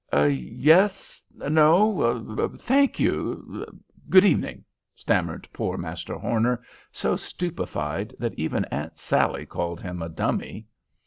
"Yes—no—thank you—good evening," stammered poor Master Horner, so stupefied that even Aunt Sally called him "a dummy."